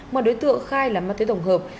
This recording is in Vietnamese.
mà đối tượng khai là ma túy tổng hợp